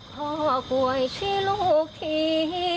ขอบรวยชีลูกที